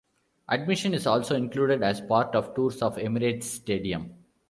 Admission is also included as part of tours of Emirates Stadium.